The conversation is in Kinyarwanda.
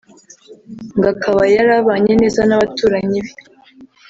ngo akaba yari abanye neza n’abaturanyi be